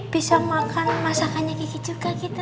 bisa makan masakannya gigi juga gitu